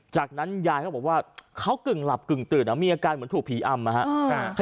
จากนั้นยายเขาบอกว่าเขากึ่งหลับกึ่งตื่นมีอาการเหมือนถูกผีอำนะครับ